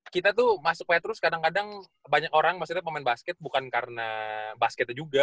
kita tuh masuk kue terus kadang kadang banyak orang maksudnya pemain basket bukan karena basketnya juga